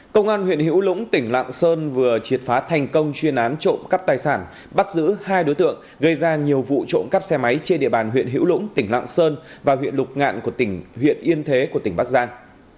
công an huyện hữu lũng tỉnh lạng sơn vừa triệt phá thành công chuyên án trộm cắp tài sản bắt giữ hai đối tượng gây ra nhiều vụ trộm cắp xe máy trên địa bàn huyện hữu lũng tỉnh lạng sơn và huyện lục ngạn của tỉnh huyện yên thế của tỉnh bắc giang